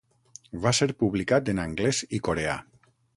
Va ser publicat en anglès i coreà.